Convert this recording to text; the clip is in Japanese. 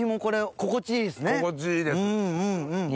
心地いいです。